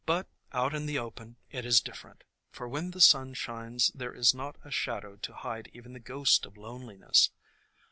But out in the open it is different, for when the sun shines there is not a shadow to hide even the ghost of loneliness.